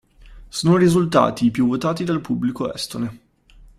Sono risultati i più votati dal pubblico estone.